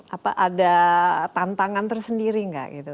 apa ada tantangan tersendiri nggak gitu